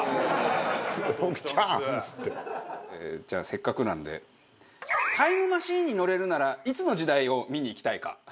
じゃあせっかくなのでタイムマシンに乗れるならいつの時代を見に行きたいか。